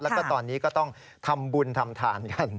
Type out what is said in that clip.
แล้วก็ตอนนี้ก็ต้องทำบุญทำทานกัน